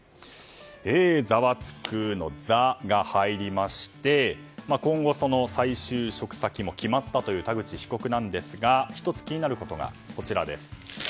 ざわつくの「ザ」が入りまして今後、再就職先も決まったという田口被告なんですが１つ気になることがこちらです。